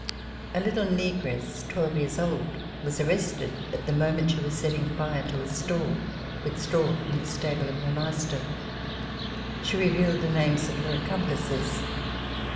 A little negress, twelve years old, was arrested at the moment she was setting fire to a store with straw from the stable of her master. She revealed the names of her accomplices.